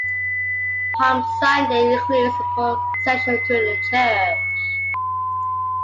Palm Sunday includes a procession to the church.